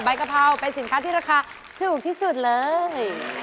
กะเพราเป็นสินค้าที่ราคาถูกที่สุดเลย